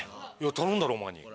頼んだろお前に。